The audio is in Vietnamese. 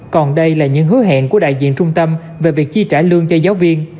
còn đây là những hứa hẹn của đại diện trung tâm về việc chi trả lương cho giáo viên